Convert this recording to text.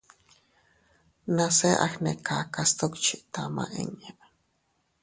Nase agnekaka sdukchi tama inña.